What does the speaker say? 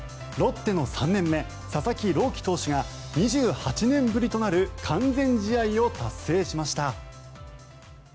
ロッテの３年目佐々木朗希投手が２８年ぶりとなる完全試合を達成しました。